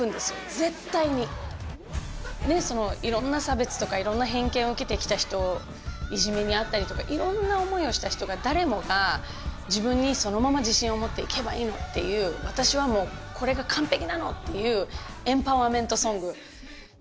絶対にでそのいろんな差別とかいろんな偏見を受けてきた人いじめに遭ったりとかいろんな思いをした人が誰もが自分にそのまま自信を持っていけばいいのっていう私はもうこれが完璧なのっていうエンパワーメントソングま